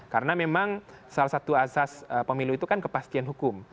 karena memang salah satu asas pemilu itu kan kepastian hukum